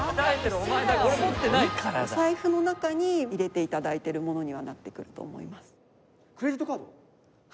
お財布の中に入れて頂いてる物にはなってくると思います。